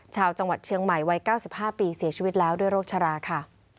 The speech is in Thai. ชาวจังหวัดเชียงใหม่วัย๙๕ปีเสียชีวิตแล้วด้วยโรคชราค่ะ